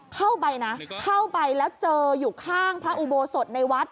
เข้าไปนะเข้าไปแล้วเจออยู่ข้างพระอุโบสถในวัด